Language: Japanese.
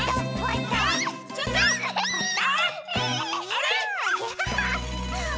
あれ？